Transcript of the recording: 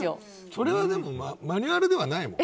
それはマニュアルではないもん。